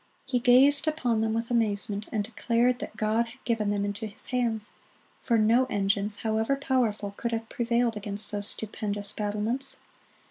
He gazed upon them with amazement, and declared that God had given them into his hands; for no engines, however powerful, could have prevailed against those stupendous battlements.